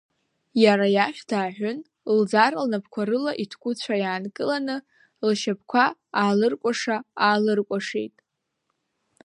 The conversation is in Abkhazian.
Иара иахь дааҳәын, лӡара лнапқәа рыла иҭкәыцәаа иаанкыланы, лшьапқәа аалыркәаша-аалыркәашеит.